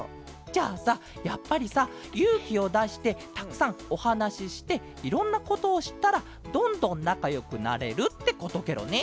じゃあさやっぱりさゆうきをだしてたくさんおはなししていろんなことをしったらどんどんなかよくなれるってことケロね。